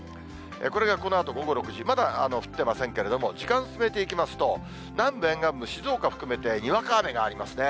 これがこのあと午後６時、まだ降ってませんけれども、時間進めていきますと、南部沿岸部、静岡含めてにわか雨がありますね。